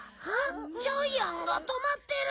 ジャイアンが止まってる。